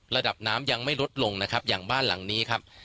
ระดับน้ำยังไม่ลดลงนะครับอย่างบ้านหลังนี้ครับ